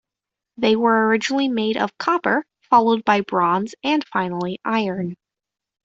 They were originally made of copper, followed by bronze and finally iron.